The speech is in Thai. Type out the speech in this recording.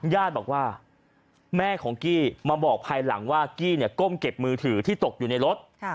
ญาติบอกว่าแม่ของกี้มาบอกภายหลังว่ากี้เนี่ยก้มเก็บมือถือที่ตกอยู่ในรถ